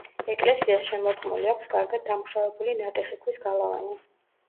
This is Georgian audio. ეკლესიას შემორტყმული აქვს კარგად დამუშავებული ნატეხი ქვის გალავანი.